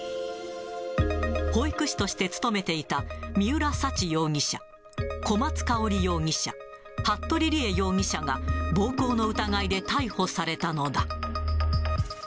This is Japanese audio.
保育士として勤めていた三浦沙知容疑者、小松香織容疑者、服部理江容疑者が、暴行の疑いで逮捕されたのだ。